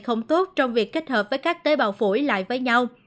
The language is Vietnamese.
không tốt trong việc kết hợp với các tế bào phổi lại với nhau